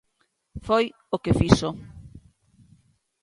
Foi o que fixo.